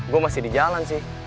gue masih di jalan sih